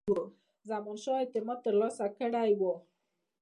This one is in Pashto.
زمانشاه اعتماد ترلاسه کړی وو.